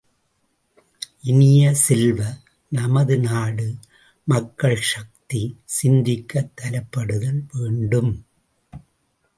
இனிய செல்வ, நமது நாடு மக்கள் சக்தி சிந்திக்கத் தலைப்படுதல் வேண்டும்.